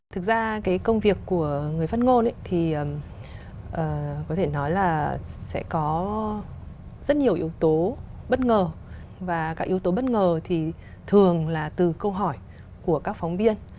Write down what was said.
thì có thể nói là sẽ có rất nhiều yếu tố bất ngờ và các yếu tố bất ngờ thì thường là từ câu hỏi của các phóng viên